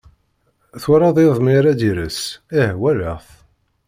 Twalaḍ iḍ mi ara d-ires? Ih walaɣ-t.